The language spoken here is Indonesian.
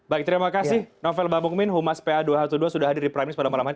baik terima kasih novel bapak bukmin humas pa dua ratus dua belas sudah hadir di priming semalam malam hari